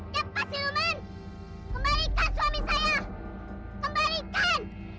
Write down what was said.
jepas siluman kembalikan suami saya kembalikan